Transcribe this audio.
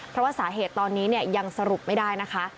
เพราะว่าสาเหตุตอนนี้ยังสรุปไม่ได้นะคะ